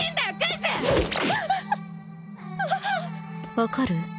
分かる？